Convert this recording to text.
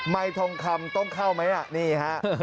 ทองคำต้องเข้าไหมนี่ฮะ